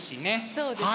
そうですね。